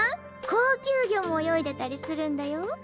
高級魚も泳いでたりするんだよ。